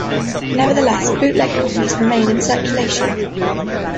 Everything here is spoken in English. Nevertheless, bootleg copies remain in circulation.